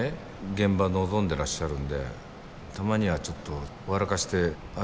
現場臨んでらっしゃるんでたまにはちょっと笑かしてあげるのも必要だし。